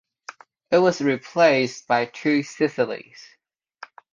It was replaced by Two Sicilies.